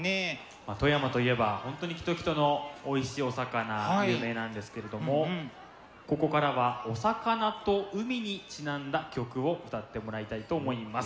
まあ富山といえば本当にきときとのおいしいお魚有名なんですけれどもここからはお魚と海にちなんだ曲を歌ってもらいたいと思います。